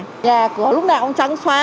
nhà cửa lúc nào cũng trắng xóa